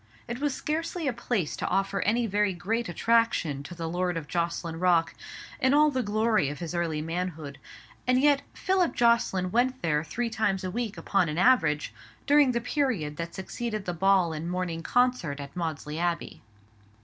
It was scarcely a place to offer any very great attraction to the lord of Jocelyn Rock in all the glory of his early man hood; and yet Philip Jocelyn went there three times a week upon an average, during the period that succeeded the ball and morning concert at Maudesley Abbey.